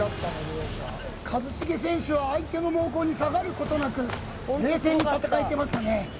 一茂選手は相手の猛攻に下がることなく冷静に戦えてましたね